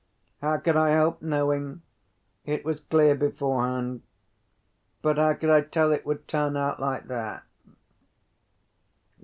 "How could I help knowing? It was clear beforehand. But how could I tell it would turn out like that?"